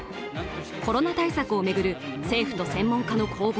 コロナ対策を巡る政府と専門家の攻防。